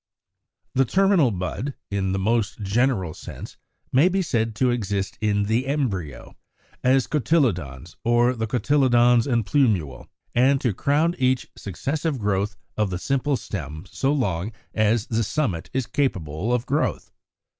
=The Terminal Bud=, in the most general sense, may be said to exist in the embryo, as cotyledons, or the cotyledons and plumule, and to crown each successive growth of the simple stem so long as the summit is capable of growth.